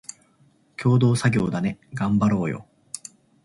共同作業だね、がんばろーよ